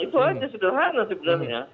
itu aja sederhana sebenarnya